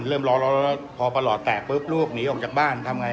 พอเริ่มรอพอประหล่อแตกปุ๊บลูกหนีออกจากบ้านทำไงอ่ะ